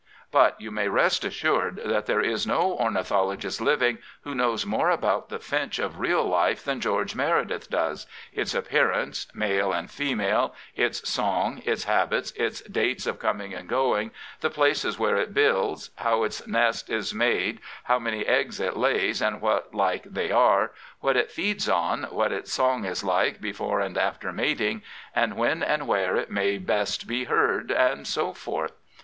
But you may rest assured there is no ornithologist living who knows more about the fjinch of real life than George Meredith does — ^its appearance, male and female, its song, its habits, its dates of coming and going, the places where it builds, how its nest is made, how many eggs it lays and what like they are, what it feeds on, what its song is like before and after mating, and when and where it may best be heard, and so forth.